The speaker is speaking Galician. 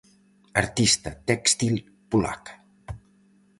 Artista téxtil polaca.